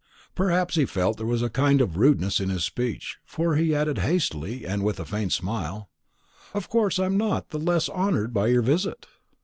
Perhaps he felt that there was a kind of rudeness in this speech, for he added hastily, and with a faint smile, "Of course I am not the less honoured by your visit."